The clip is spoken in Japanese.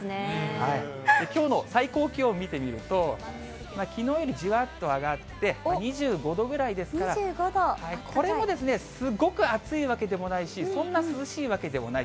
きょうの最高気温を見てみると、きのうよりじわっと上がって、２５度ぐらいですから、これもですね、すごく暑いわけでもないし、そんな涼しいわけでもない、